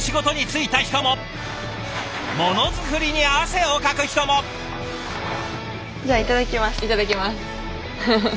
いただきます。